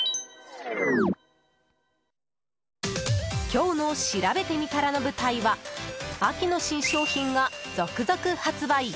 今日のしらべてみたらの舞台は秋の新商品が続々発売。